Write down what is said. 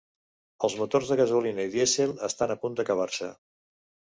Els motors de gasolina i dièsel estan a punt d'acabar-se.